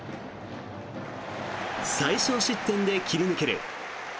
最少失点で切り抜ける。